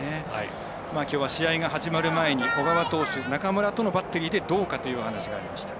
きょうは試合が始まる前に小川投手、中村とのバッテリーでどうかというお話がありました。